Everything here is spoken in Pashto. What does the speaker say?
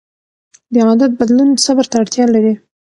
د عادت بدلون صبر ته اړتیا لري.